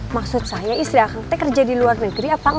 maksud saya istri akang teh kerja di luar negeri apa engga